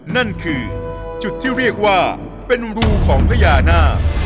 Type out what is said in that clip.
นั่นคือจุดที่เรียกว่าเป็นรูของพญานาค